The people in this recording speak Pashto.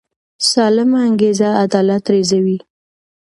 سالمه انګیزه عدالت زېږوي